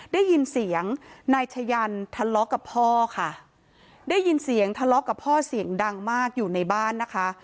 ได้ยินเสียงนายชะยันทะเลาะกับพ่อค่ะได้ยินเสียงทะเลาะกับพ่อเสียงดังมากอยู่ในบ้านนะคะ